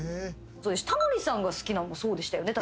タモリさんが好きなのもそうでしたよね？